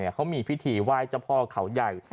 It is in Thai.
เขามีพิธีไหว้เจ้าพ่อเขาใหญ่